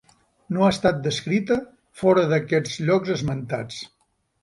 No ha estat descrita fora d'aquests llocs esmentats.